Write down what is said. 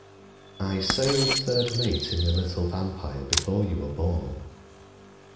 I sailed third mate in the little Vampire before you were born.